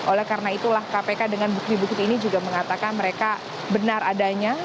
oleh karena itulah kpk dengan bukti bukti ini juga mengatakan mereka benar adanya